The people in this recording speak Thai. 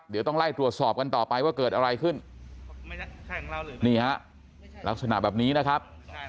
เดี๋ยวต้องไล่ตรวจสอบกันต่อไปว่าเกิดอะไรขึ้นนี่ฮะลักษณะแบบนี้นะครับ